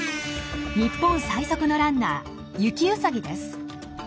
日本最速のランナーユキウサギです。